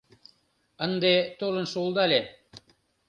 Ынде толын шуылдале.